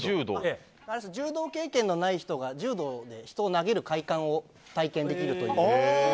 柔道経験のない人が柔道で人を投げる快感を体験できる。